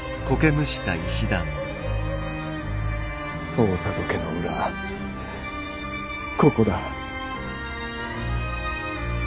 大郷家の裏ここだ。